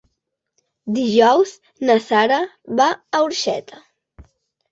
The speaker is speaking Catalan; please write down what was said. Dijous na Sara va a Orxeta.